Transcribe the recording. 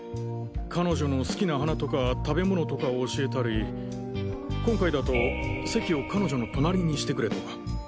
彼女の好きな花とか食べ物とかを教えたり今回だと席を彼女の隣にしてくれとか。